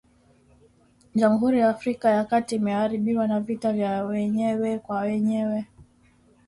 Jamhuri ya Afrika ya kati imeharibiwa na vita vya wenyewe kwa wenyewe